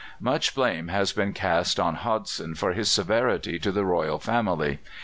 Much blame has been cast on Hodson for his severity to the royal family.